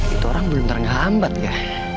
itu orang beneran ngambat ya